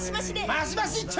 マシマシ一丁！